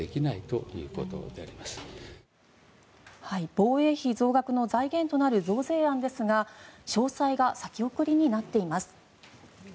防衛費増額の財源となる増税案ですが詳細が先送りになっています。